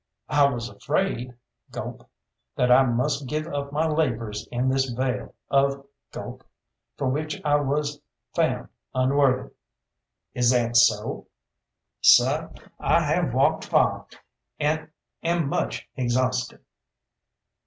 "I was afraid" gulp "that I must give up my labours in this vale of" gulp "for which I was found unworthy." "Is that so?" "Seh, I have walked far, and am much exhausted."